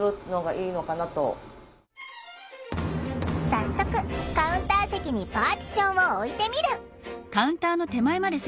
早速カウンター席にパーティションを置いてみる。